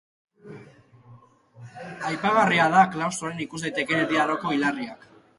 Aipagarria da klaustroan ikus daitekeen Erdi Aroko hilarriak.